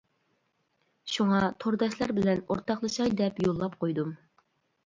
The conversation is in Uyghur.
شۇڭا تورداشلار بىلەن ئورتاقلىشاي دەپ يوللاپ قويدۇم.